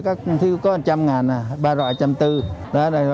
các thứ có một trăm linh ngàn ba rọi